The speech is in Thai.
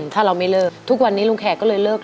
ถ้าเราไม่เลิกทุกวันนี้ลุงแขกก็เลยเลิก